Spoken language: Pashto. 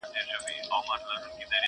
غوجله تياره فضا لري ډېره.